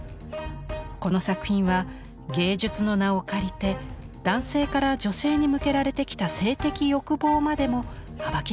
この作品は芸術の名を借りて男性から女性に向けられてきた性的欲望までも暴きだしています。